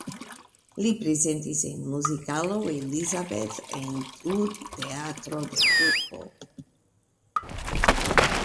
Li prezentis en muzikalo Elisabeth en urbteatro de Turku.